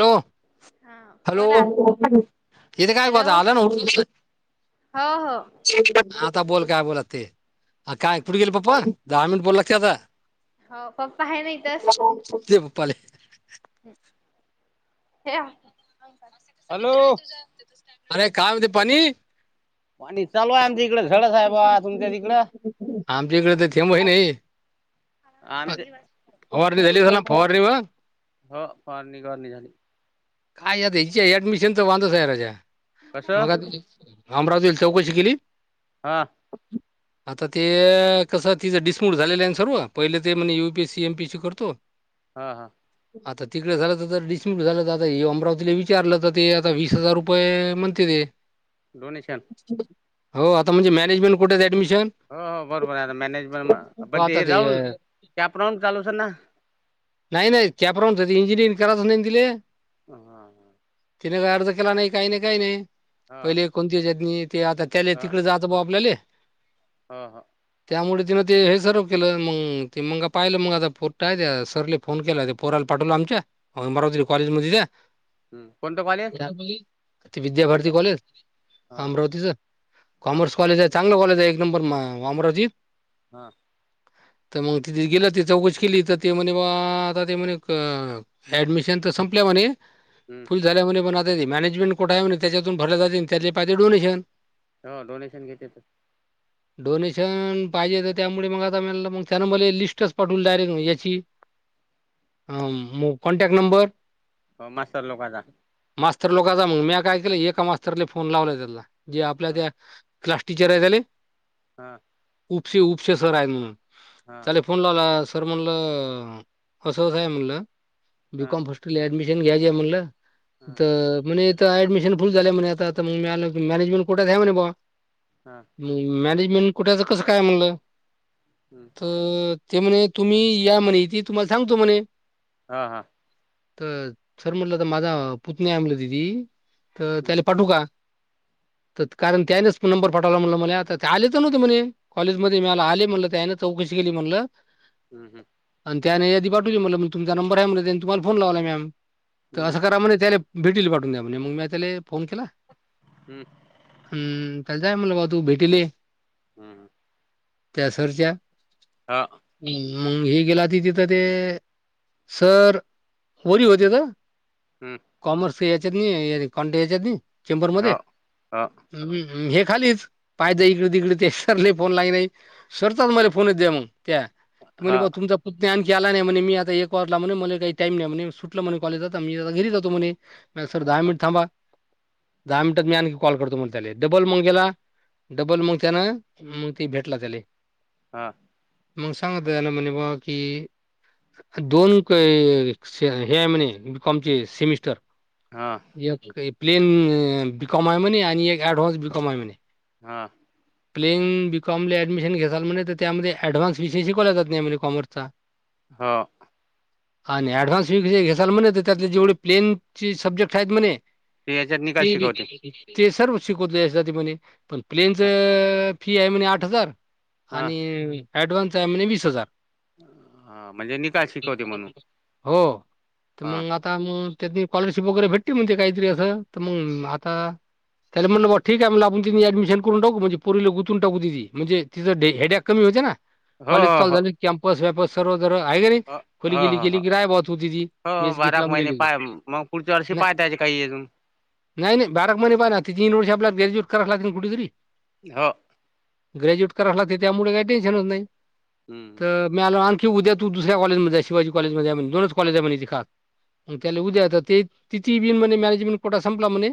Hello हा बोला hello इथे हॅलो कायता आला न हो हो. आता बोल काय बोलात ते. काय कुठे गेले पप्पा दहा मिनिट बोलायला लागते आता. हो पप्पा आहे ना इथंच पप्पाले. हॅलो! अरे का येऊदे पानी. पाणी चालू आहे आमच्या तिकडं खेळ साहेब तुमच्या तिकडं. आमच्या इकडे तर थेंबही नाही. आमच्या फवार झाली झाला फवारणी वा ह फार नि घाण निघाली. काय आता ह्यांच्या ऍडमिशन तर वांदच आहे राजा कसं मग आता. अमरावतीत चौकशी केेली. [inaudible] ह [inaudible] आता ते कसं तिचं डिस्मूट झालेलं आहे सर्व पहिले ते म्हणजे युपीएस सी एमपीस सी करतो. [inaudible] हा हा आता तिकडे झालं तर तर डिसमिट झालं आता हे अमरावतीला विचारलं तर ते आता वीस हजार रुय पय म्हणती दे. डोनेशन हो आता म्हणजे मॅनेजमेंट कुठेत ऍडमिशन हो हो बरोबर आहे मॅनेजमेंट म पण ते हे राऊंड कॅप राऊंड चालू सर ना. नाही नाही इंजिअरिंग करायच नाही त दिले. ह ह. तिने काही अर्ज केला नाही काही नाही काही नाही पहिले ह कोणती जतनी ते आता त्या तिकडे जातं बा आपल्याला हा हा. त्यामुळे तिनं ते हे सर्व केलं मग ते मग पाहिलं मग आता पोट्ट आहे त्या सरले. फोन केला पोराला पाठवलं आमच्या बरारी कॉलेज मध्येथे कोणतं कॉलेज म्हणजे विद्याभारती कॉलेज हा अमरावतीचं. हा कॉमर्स कॉलेज आहे चांगलं कॉलेज आहे एक नंबर अमरावतीत हा. तर मग तिथे गेलं त चौकशी केली तर ते म्हणे आता ते म्. ऍडमिशन तर संपल्या म्हणे. हम्. खुश झाल्यामुळे पण आता ते मॅनेजेंट कुठ आहेण त्याच्यातून भर जाते त्याचे पाहिे डोनेशन हो डोनेशन घेतेेत. डोनेशन पाहिजे तर त्यामुळे मग आता म मग त्यान मला लिस्टच पाठवल डायरेक्ट याची ह म कॉन्टॅक्ट नंबर. हो मास्टर लोकांचा मास्तर लोकांचा मग म्या काय केलं एका मास्तरले फोन लावला त्याला जे आपल्या हा त्या क्लास टीचर आहे का नई. हां. उपशी उपशे सर हा आहेल. फोनलाला सर म्हणलं असहसाय म्हणलं हा बिकॉम. तुले ऍडमिशन घ्यायचे म्हलं तर म्हणे इथ ऍडमिशन फुल झालं म्हणे आता आता मग म मॅनेजमेंट कोुठच आहे म्हणे बा. हां. मॅनेजमेंट कुठ्याचं कसं काय म्हणलं. हम्म. तर ते म्हणे तुम्ही या म्हणे इथे तुम्हाला सांगतो म्हणे. हा हां. तर सर म्हटलं तर माझा पुतन्या नाही आलं दिदी तर हम्म त्याला पाठव का? कारण त्यानेच नंबर पाठवला मला मने म्हटलं मला आता ते आलेच नव्हते म्हणे. कॉलेजमध्ये मळाला आले म्हणलं त्यान चौकशी केली म्हणलं. हम् हम्. आणि त्याने यादी पाठवली म्हणलं म तुमचा नंबर आहे द्या म्हणले त्यानी तुम्हाला फोन लावला म्या तर हम्म असं करा म्हणे त्याला भेटीस पाठून द्या म्हणे मग म्या त्याले फोन केला. हम्म. हम्म का जाय म्हणलं तू भेटील ये. हम् ह. त्यासरच्या हा. ह मग हे गेलं ति तिथं ते सर होरी होतेता. हम्. कमर्सच्या यांच्यात नाहीये कॉन्टे नि हा हा हम्म हे खालीच पाहिज इकडे तिकडे ते सरले फोन लाई नाही सरतात मला फोनच द्या मग त्या क म्हणे हा बा तुमचा ज्ञान केला नाही म्हणे मी आता एक वारला म्हणे मला काही टाईम नाही म्हणे सुटलं म्हणे कॉलेजातता मी आता घेरी जातो म्हणे म सर दहा हा मिनट थांबा दहा मिनट म कॉल करतो मग त्या डबल मग गेला डबल मग त्यान मग ते भेटला त्याला हा मंग सांता आन म्हणे बा की दोन कोयी हे म्हणे बी कॉमचे सेमिस्टर हा एक प्लेन बि कॉम आय म्हणे आणि एक ऍडव्हान्स बी कॉमय म्हणे हां प्लेइंग बी कॉमला ऍडमिशन घेसाल म्हण तर त्यामध्ये ॲडव्हान्स विषय शिकवला जात नाही म्हणे कॉमर्सचा [unintelligible] हा व आणि ऍडव्हान्स विषय घेसाल म्हणे तर त्यातले जेवढे प्लेन चे सब्जेक्ट आहेत म्हणे ते याच्यात निकाल शिकवते ते ते सर्व शिकवत या जाती म्हणे पण हा प्लेनचं फी आहे म्हने आठ हजार हा आणि ॲडव्हान्स आहे म्हणे वीस हजार हा, म्हणजे निकाल शिकवते म्हणून हो तर हा मग आ ता मग त्यानी कॉलरशिप वगैरे भेटली म्हणजे काहीतरी असं तर मग आता त्याला म्हणलं बाबा ठीक आहे मला आपणि डमिशन करून टाू म्हणजे पुरीले गुंतून टाू तिथ म्हणजेिथंडे हेडॅक कमी होते ना हा हा हा पस व्यापस सर्वजर आहे ग नाही खोली गेली हो हो केली किय बहत होती ती हो हो बाराक मेजीसलाम महिने दिली पाय मग पुढच्या वर्षी नाही पाहतायचे काही अजून नाही नाही बाराक म्हणे पाहि ना ते तीन वर्षी आपल्याला ग्रॅज्युएट कराला लागतील ना कुठेतरी हा ग्रॅज्युएट करायला ते त्यामुळे काही टन्शनत नाही हम्म तर मळालो आणखी उद्या तू दुऱ्या कॉलेजमध्ये आहे शिवाी कॉलेजमध्ये आहेण दोनच कॉज आहे ति खास मग त्याला उद्या आता ते तिथ बिन म्ह मॅनेजमेंट कोठा संपला म्हणे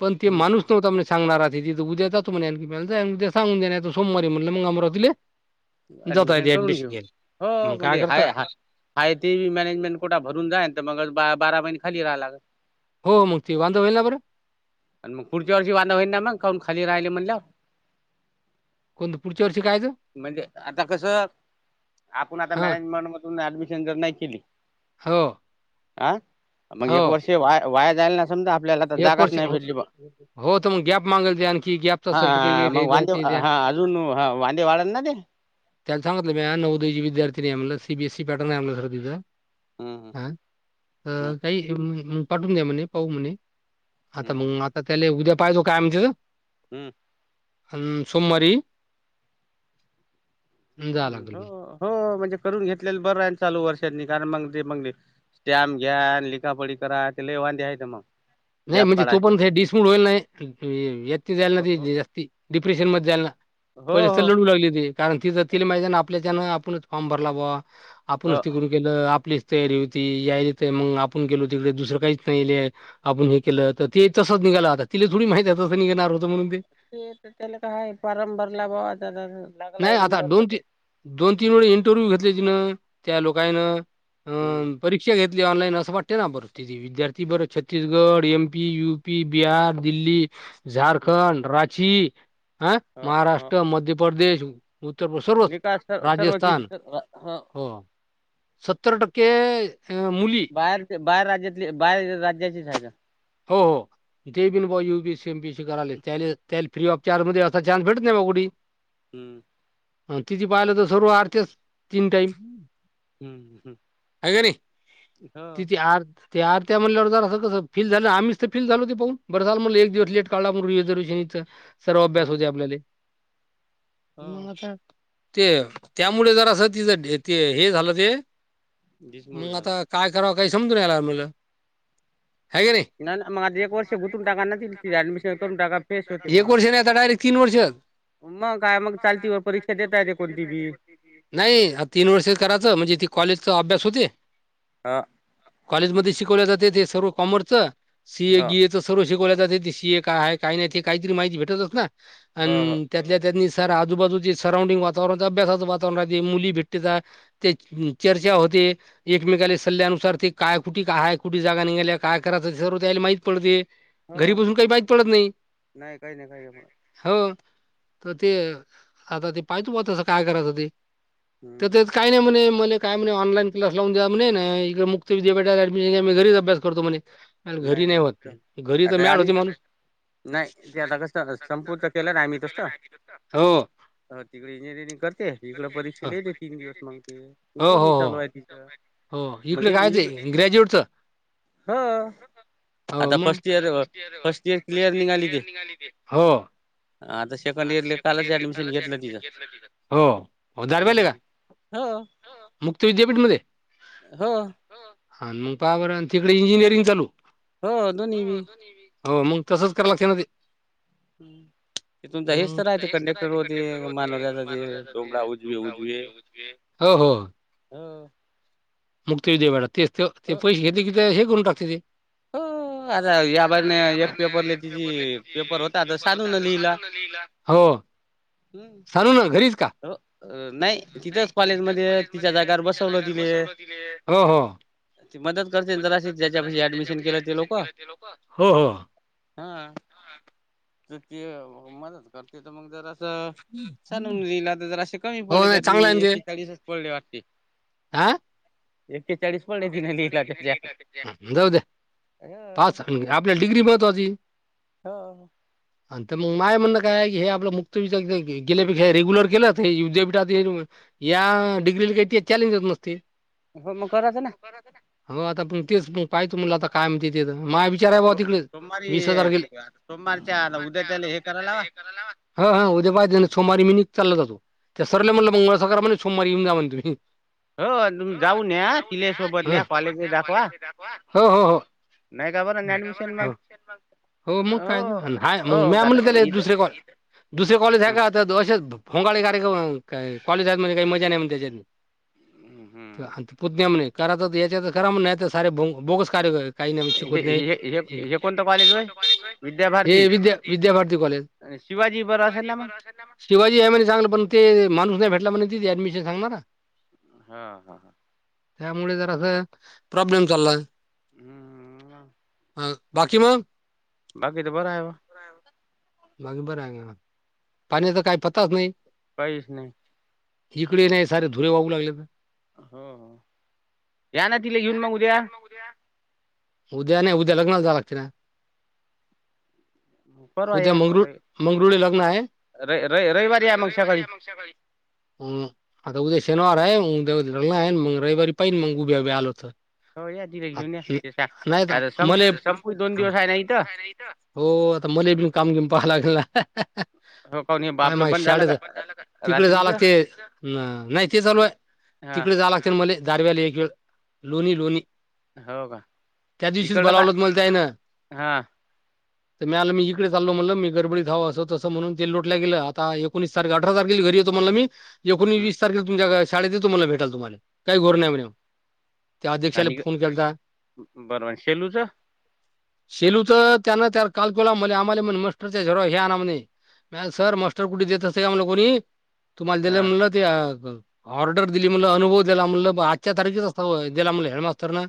पण ते हम्म माणूस ता सांणार आ त उ्या त आणी सांून सोमवारी म्हणलं मग आम तले ऍडमिशन करून घेऊ हो मग काय म्हणजे हाय करता? हा आहे ते बी मॅनेजमेंट कोठं भून जा ना तर मग बारा महिने खाली राहा लागल हो मगक्ती बांध होईल बरं आणि मग पुढच्या वर्षीांधदा होई ना म काउन खाली राहिले म्हणल्या कोणत पुढच्या वर्ष कायचं म्हणजे आता कसं आपण आता हां, मॅनेजमेंट मधून ऍडमिशन जर नाही केली हो हा मग एक हो. वर्षी वा वाया जायला न आपल्या जा एक वर्ष हो. नाही भे हो, तर मग गॅप मागेल ते आणखी गॅपचा ह सर्टिफिकेट हे द्या, ते द्या. हा अजून ह वांदे वाढत ना ते त्याला सांगितलं मी ह नौदय विद्यार्थी नाही आमला सीबीएसी पॅर्न आहे आमलं सर तिं हम्म हा अ हम्म काही पाठवून द्या म्हणे पाहू म्हणे आता हम्म मग आता त्याला उद्या पाहिजो काय आमच्या हम् अ सोमवारी जावं लागेल. हो हो म्हणजे करून घेतलेलं बरं आहे चालू वर्षांनी कारण मग ते मग स्टॅम्प घ्या लिखापळी करा ते ल वांधे आहे ते मग नाही गॅप म्हणजे तो काढायचे पण डिसमूड होईल नाही व्यती जायला हो ना हो ते जास्ती डिप्रेशन मध्ये जायला ना हो पहिलेच तर हो लढू लागली त कारण ति ज ति माहि आपल्याच्यान आपणच फॉर्म भरला बावा आपणच हो. त करून केलं आपलीच तयारी होती याय तर मग आपण केेलो तिकडे दुसरं काहीच नाहीय आपण हे केलं तर ते तसच निघालं आता तिला थोडी माहिती आहे तसं निघणार होतो म्हणून ते ते तर त्याला काय फोरम भरला होता त्याचा नाही लागलाय आता नंबर दोन ती मध्ये दोन तीन वेळे इंटरव्ह्यू घेतले तिनं त्या लोकांनं हम्म अं परीक्षा घेतली ऑनलाईनं अस वाटते ना परत विद्यार्थी बर Chhattisgarh, M P, UP, Bihar, Delhi हम्म झारखंड, राांची, ह ह महाराष्ट्र, मध्य प्रदेश उत्तर सर्वच निकास सर्व सर्वच राजस्थान ह हो सत्तर टक्के अ मूली बाहेर ते बाहेर राज्यातले बाहेर राज्याचेच आय का? हो हो तथे बीनऊ युपीएसी एमीसी करा त्या त्या फ्री ऑफ चार्ज म अस चा्स भेटत नाही बा कुटी हम् तिथती पाहिलं तर सरू अरतीच तीन टाईम हम्म हम्म ह का नाही तिथ ह आर आरत्या म्हणल्यावर ज असं कसं फील झालं आम्ही तर फील झाल ते पाहून बरसालालग एक दिवस लेट काढला रिझर्वेशन इं सर्व अभ्यास ह होते आपल्याला मग ह आता ते त्यामुळे जर असं तिचं ते हे झालं ते डिसमूड मग झाला. आता काय कराव काही समजून यायला आमला ह का नाही? ना मग आता एक वर्ष गुंतून टाका ना ति ऍडमिशन करून टाका फ्रेश होते एक वर्ष मग. आता डायरेक्ट तीन वर्ष मग काय मग चालते परीक्षा देता येते कोनती बी नाही आता तीन वर्ष करायचं म्हणजे ती कॉलेजचा अभ्यास होते. हा कॉलेजमध्ये शिकवल्या जाते ते सर्व कॉमर्सच सीए ह गीए सर्व शिकवल्या जाते सिए का काही नाही ते काहीतरी माहिती भेटलच ना अ ह ह त्यातल्या त्यांनी सर आजूबाजूचे सराऊंडिंग वातावरण अभ्यासाचं वातावरणात मुली भेट्तेत्यां ते चर्चा होते एकमेकाले सल्ल्यानुसार ते काय कुठी हाय कुठी जागा निघाल्या काय कराच सर्व त्याले माहीत पडू दे. हो नाही काही नाही काही र मला हो तर ते आता ते पाहत म तसं काय करायचं ते तर हम्म तेच काय नाही म्हणे मला काय म्हणे ऑनलाइन क्लास लावून द्या म्हणे ना मुक्त विद्यापीठात ऍडममिशन घ्या घरीच अभ्यास करतो म्हणे मला नाही घरी होत नाही घरी तर आता मॅड आमी होते माणूस नाही ते आता कसं संपूर्त केलं ना आम्ही तस हो तिकडे इंजिनिअरिंग करते तिकडें हो परीक्षा येते तीन दिवस मग ते हो दोन्ही हो चालू आहे तिचं हो इकडे कायचे ग्रॅज्युएटचं हो हो मग आता first year first year clear निघाली ते हो सेकंड आता इयरले सेकंड इयर ले कालच घेतलं ऍडमिशन तिचं घेतलं तिने होजार बेले का हम्म हो मुक्त विद्यापीठ मध्ये हो हा मग पहा बरं आणि तिकडे इंजिनिअरिंग चालू हो दोन्ही बी हो मग तसंच करा लागते ना ते [unintelligible] तुम आहे हेच तर आहे कंडक्टर ते कंडक्टर होते मानवल्याचा मानव ते डोबळा उजवे झोपला उजवे उच्चगे हो हो हो मुक्त विद्यापीठात तेच ते हो पैसे घेत कि हे करून टाकते ते हो हो या आता बाजने या बारीन पेपरले एक पेपरला तिची ति पेपर होता आता पेपर होता साधून आता लिहिला साधू न लिहिला हो हम्म. सांलूणार घरीच का. हो नाही तिथंच कॉलेज मध्ये तिथ जाग्यावर बसवलं तिले हो हो. ती मदत करते जरा त्याच्या ऍडमिश ऍडमिशन केल्या ती लोक हो हो. हा ती ते मदत करते तर मग जरा. छणून लिहिलं तर ज असे कमी हो पडले नाही त्यातनी चांगला एकेचाळीसच पडले वाटते. आ एकेचाळीस पडले तिने लिहिला त्याचा त. ते जाऊ द्या पास झाले आपल्याला डिग्री महत्वाची हो. आज मग माय म्हणणं कायी हे आपलं मुक्त विद्यापीठ आहे की हे रेग्युलर केलंत हे विद्यापीठात या डिग्रीला काही चॅलेंजेच नसते. पण मग कराचं ना. हो आता तुमची म पाहि तु मला आता कायम त तिथे माझा विचार आहे बा तिकडे सोमवारी वीस हजार गेले उद्या चाले. करायला लावा. हा हा उद्या पाहि ना सोमवारी चालला जातो त्या सरला म्हटलं माझा पगार म्हण सोमवारी येऊन जाऊ म्हटले तुम्ही हो तुम्ही जाऊन हो या तिले सोबत न्या या सोबत कॉलेजे कॉलेज दाखवा. हो हो हो नाही का बरं ऍडमिशन मग हो मग काय हा मग हो म का म्हटलं त्या नाही इथं दुसरे कॉल. दुसरे कॉलेज आहे का तर असेच फोंगाळे कार्यक्रम कॉलेज आहेत महान काही मजा नाही म्हण त्याच्यात. हम्म हम्म पुतण्या म्हने करा तर याच्यात करा म्हण नाही सारे भो बोगस कार्य. काही नाही हे शिकवत हे हे नाहीण हे कोणतं कॉलेज होय विद्याभारती हे विद्या विद्याभारती कॉलेज. शिवाजी बरं असेल ना मग. शिवाजी आहे म्हणे चांगलं पण ते माणूस नाही भेटला म्हण त ऍडमिशन सांगणार. हा हा हा. त्यामुळे जर असं प्रॉब्लेम चालला. हम्म. हां बाकी मग. बाकी तर बर आहे व. बाकी बरं आहे, पाण्याचा काही पत्ताच नाही. काहीच नाही. इकडे नाही सारे धुरे वाहू लागले तर. हो हो या ना तिला येऊन मग उद्या. उद्या नाही उद्या लग्नाला जायांच. परवा उद्या या मंगरुळ मंगरुळी लग्न आहे. र र रविवारी या मग सकाली. सकाळी हम आता उद्या शनिवार आहे उद्या आहे लग्न रविवारी पाहिन मग उभे उभे आलो तर. हो या तिला घेऊन या. नाही आता मले संप संपू दोन दिवस आहे ना इथं हो आता मले काम बीम पाहाला लागेल ना. ह हो काणी. तिकडे जायला लागते. हा तिकडे जावं लागते मला दारव्याला एक वेळ लोणी लोणी. हो का, त्या दिवशीच इकडलं काय बोलावल मला त्यायन. हा तुंम्हाला मी इकडे चाललो म्हणलं गडबडीत आहेअस तसं ते लोटलं गेले. अठरा तारखेला घरी येतो मला मी एकूण हम्म वीस तारखेला मी शाळेत येतो म्हणाले तुला भेटायला. काही घोर हम्म नाही म्हणे त्या अध्यक्षाला फोन केलाता. बरं शेलूचं. शेलू तर त्यांना त्या काल तुला म्हणाले आम्हाले म्हण मस्टरच्या जे हे आणा म्हटलं. नाही सर मास्टर कुठे देत असते का ल कोनी तुम्हाला दि हा म्हणलं ऑर्डर दिली म्हणलं अनुभव दिला म्हणलं आजच्या तारखेच असता दिला म्हणलं हेडमास्तर न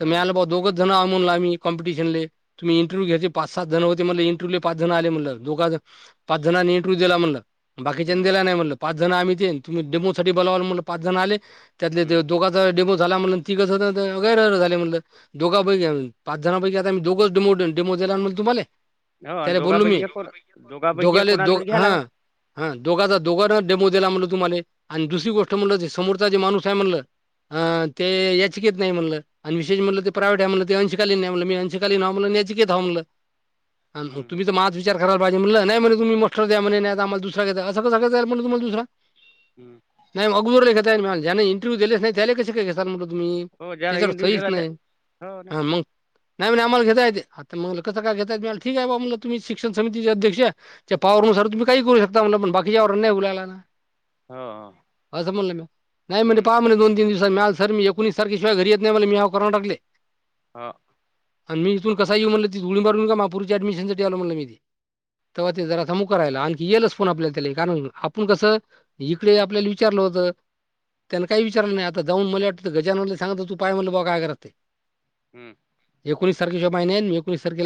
तर मळा हम्म आलं ब दोघच जण आ म्हणला म् कॉम्पिटिशनले. तुम् इंटरव्ह्य घयचे पाच सात जण होते मला इंटव्हू पाच जण आले दोघ. पाच जणांनी इंटरव्यू दिला म्हणे. बाकीच्या हम्म दिला नाही म्हटलं पाच जण आम्ही ते तुम् डेमो साठी बोलावला म्हटलं पाच जण आले त्यातले हम्म दोघ. डेमो झाला म्हणून तिघाच होते. झा म्हणलं दोघापैकी पाच जांपैकी आता आम्ही दोघचो डेमोला आणि तुम्हाला. हो आणि त्याला बोललो मी दोघापैकी एक कोण दोघापैकी एक दोघाले कोणाला दो तरी घ्यायला हा. लागल. हा दोघाचा दोघां न डेमो दिला म्हटलं तुम्हाला आणि दुसरी गोष्ट म्हणलं समोरचाचे माणूस आहे म्हणलं. हा ते याचिकेत. नाही म्हणलं आणि विशेषणलं ते प्रायव्हेट आहे म्हणलं ते अंकालीन नाही म्हण मी अंशकालीन याचिकेत हाय म्हणतं. हं, तुम्ही तर माझ विचाररायला पाहिजे नाही म्हणे तु मस्टर द्या म्हणे नाही आ्हालाुसरा्या अस कसांयलण तुमला दुसरा. हम्म नाही अगदर ल घेत नाही जने इंटरव्हू दिलेच नाही त्याले कसे काही घेणार म्हटलं तुम्ही. हो ज्याला त्याच्यावर सहीच होत इंडिव्हिज्युअल नाही हो ना हा मग. नाही आम्हाला घेता येत आता मगलं कसं काय घतायेतला ठीक आहे बालं तुम्ही शिक्षण समितीचे अध्यक्ष. त्या पावरुमस तुम्हीू शकता म्हला पण बाकीच्यावर नाही बलायला ना. हो हो असं म्हणल मी नाही म्हणे हं, पहा म्हणे दोन तीन दिवसांत मिळाल तर एकोणिस तारिख. शिवाय घरी येत नाही मला मी हव करून टाकले. हा. आणि मी इथून कसा येऊ म्हणलं ती गुळी मारून का मगं पुरिंच्या ऍडमिशनसाठी आलं म्हटलं मी ते. तेव्हा ते जरा थ मुक राहिला आणखी येईलच पण आपल्या त्याला कारण आपण कसं इकडे आपल्याला विचारलं होतं त्यांना काही विचारलं नाही आता जाऊन मला वाटत गजान सांगत तू पाय म्हलं बघा काय करत ते हम्म एकोणीसारखेच्याो बाहिन एकणीसारखे